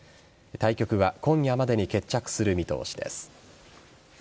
対局は今夜までに決着する見通しです。